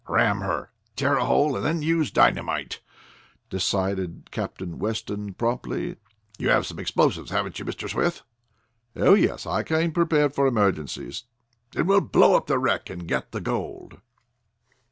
"Ram her, tear a hole, and then use dynamite," decided Captain Weston promptly. "You have some explosive, haven't you, Mr. Swift?" "Oh, yes. I came prepared for emergencies." "Then we'll blow up the wreck and get at the gold."